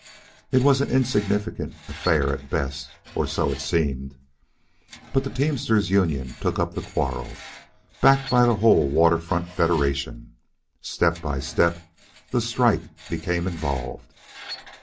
It was an insignificant affair at best or so it seemed. But the Teamsters' Union took up the quarrel, backed by the whole Water Front Federation. Step by step, the strike became involved.